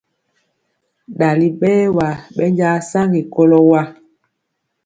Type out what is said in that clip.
Dali bɛɛwa bɛnja saŋgi kɔlo wa.